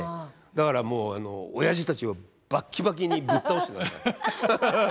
だからおやじたちをバッキバキにぶっ倒してください。